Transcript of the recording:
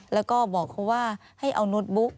แล้วก็บอกเขาว่าให้เอาโน้ตบุ๊ก